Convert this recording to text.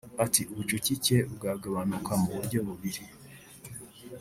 Ati “Ubucucike bwagabanuka mu buryo bubiri